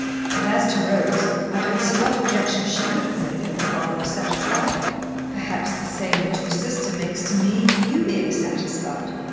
And as to Rose, I don't see what objection she could have made if her father was satisfied.' 'Perhaps the same that your sister makes to me, you being satisfied.'